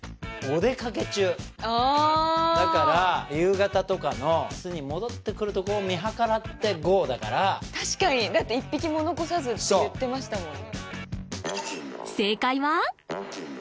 だから夕方とかの巣に戻ってくるとこを見計らってゴーだから確かにだって１匹も残さずって言ってましたもんね